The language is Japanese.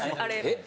えっ？